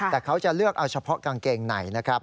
แต่เขาจะเลือกเอาเฉพาะกางเกงในนะครับ